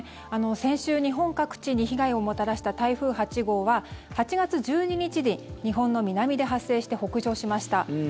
先週日本各地に被害をもたらした台風８号は、８月１２日に日本の南で発生して北上しました。